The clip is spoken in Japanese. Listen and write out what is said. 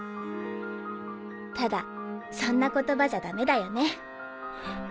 ただそんな言葉じゃダメだよね。